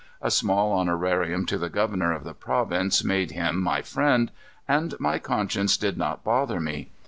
A small honorarium to the governor of the province made him my friend, and my conscience did not bother me.